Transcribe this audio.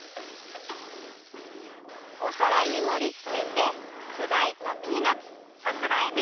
おさらにもりつけてくだいたピーナツさくらえび